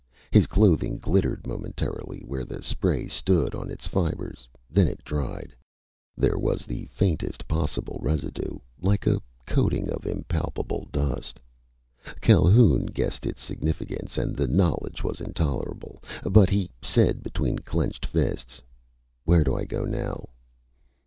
His clothing glittered momentarily where the spray stood on its fibres. Then it dried. There was the faintest possible residue, like a coating of impalpable dust. Calhoun guessed its significance and the knowledge was intolerable. But he said between clenched fists. "Where do I go now?"